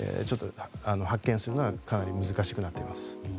発見するのがかなり難しくなっています。